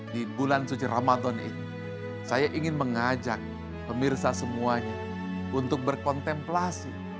di bulan suci ramadan ini saya ingin mengajak pemirsa semuanya untuk berkontemplasi